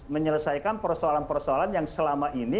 menyelesaikan persoalan persoalan yang selama ini